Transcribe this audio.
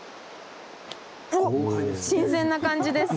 おっ新鮮な感じです。